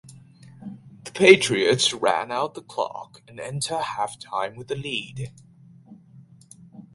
The Patriots ran out the clock and entered half time with the lead.